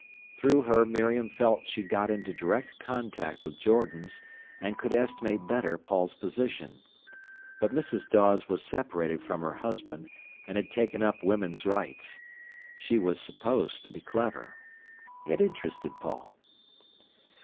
Through her Miriam felt she got into direct contact with Jordan's, and could estimate better Paul's position. But Mrs. Dawes was separated from her husband, and had taken up Women's Rights. She was supposed to be clever. It interested Paul.